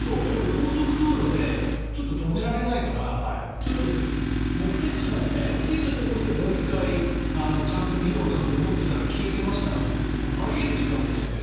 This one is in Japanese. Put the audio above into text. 高速道路でちょっと止められないからちょっと目的地まで着いたところでもう１回、ちゃんと見ようなんて思っていたら消えてましたなんてこともあり得る時間ですよね。